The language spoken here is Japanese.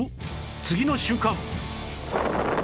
次の瞬間！